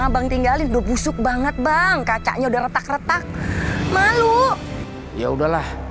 bang tinggalin udah busuk banget bang kacanya udah retak retak malu ya udahlah